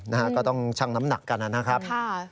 นะครับก็ต้องชั่งน้ำหนักกันน่ะครับผมนะครับ